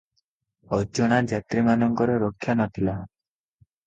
ଅଜଣା ଯାତ୍ରୀମାନଙ୍କର ରକ୍ଷା ନ ଥିଲା ।